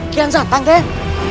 kian santang den